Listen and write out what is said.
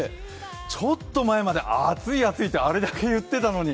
ちょっと前まで暑い、暑いってあれだけ言ってたのに。